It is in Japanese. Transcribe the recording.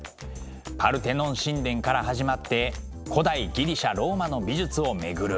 パルテノン神殿から始まって古代ギリシャ・ローマの美術をめぐる。